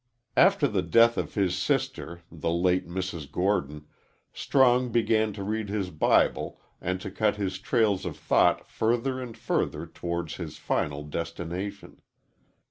After the death of his sister the late Mrs. Gordon Strong began to read his Bible and to cut his trails of thought further and further towards his final destination.